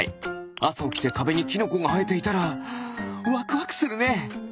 あさおきてかべにキノコがはえていたらワクワクするね！